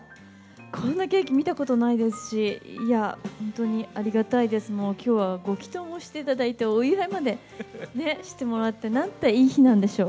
こんなケーキ見たことないですし、いやぁ、本当にありがたいです、もう、きょうはご祈とうもしていただいて、お祝いまでしてもらって、なんていい日なんでしょう。